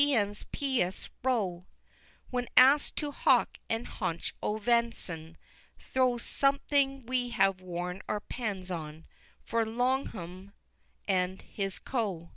N.'s pious Row When ask'd to Hock and haunch o' ven'son, Thro' something we have worn our pens on For Longman and his Co.